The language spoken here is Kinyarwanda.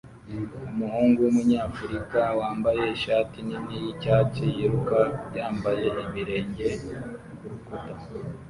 Umuhungu wumunyafrika wambaye ishati nini yicyatsi yiruka yambaye ibirenge kurukuta